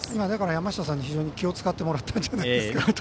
山下さんに、気を使ってもらったんじゃないですか。